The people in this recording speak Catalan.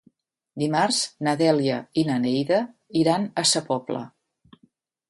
Dimarts na Dèlia i na Neida iran a Sa Pobla.